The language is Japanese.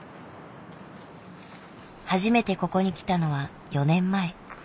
初めてここに来たのは４年前。